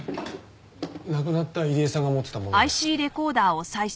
亡くなった入江さんが持ってたものです。